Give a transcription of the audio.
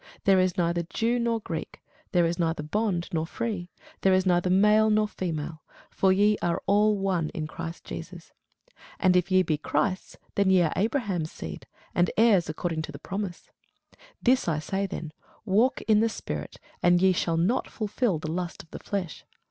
There is neither Jew nor Greek, there is neither bond nor free, there is neither male nor female: for ye are all one in Christ Jesus. And if ye be Christ's, then are ye Abraham's seed, and heirs according to the promise. This I say then, Walk in the Spirit, and ye shall not fulfil the lust of the flesh.